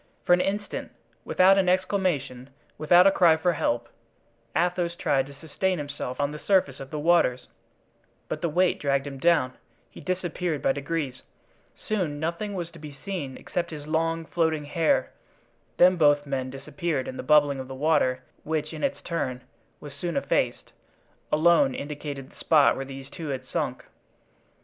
For an instant, without an exclamation, without a cry for help, Athos tried to sustain himself on the surface of the waters, but the weight dragged him down; he disappeared by degrees; soon nothing was to be seen except his long, floating hair; then both men disappeared and the bubbling of the water, which, in its turn, was soon effaced, alone indicated the spot where these two had sunk.